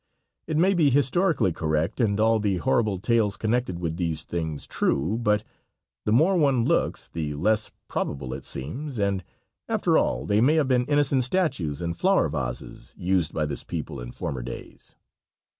It may be historically correct and all the horrible tales connected with these things true, but the more one looks the less probable it seems, and after all they may have been innocent statues and flower vases used by this people in former days.